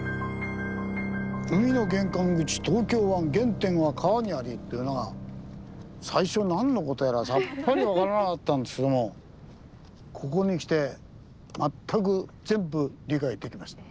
「海の玄関口・東京湾原点は川にあり？」というのが最初何のことやらさっぱりわからなかったんですけどもここに来て全く全部理解できました。